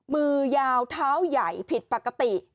มือยาวเท้าใหญ่ผิดปกติ